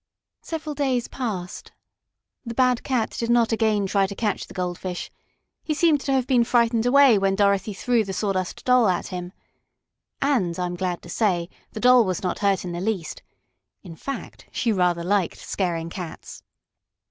Several days passed. The bad cat did not again try to catch the goldfish. He seemed to have been frightened away when Dorothy threw the Sawdust Doll at him. And, I am glad to say, the Doll was not hurt in the least. In fact, she rather liked scaring cats.